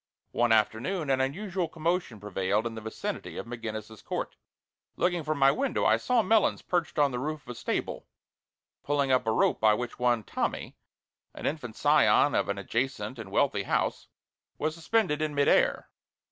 One afternoon an unusual commotion prevailed in the vicinity of McGinnis's Court. Looking from my window I saw Melons perched on the roof of a stable, pulling up a rope by which one "Tommy," an infant scion of an adjacent and wealthy house, was suspended in midair.